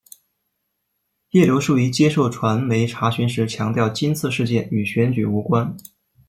叶刘淑仪接受传媒查询时强调今次事件与选举无关。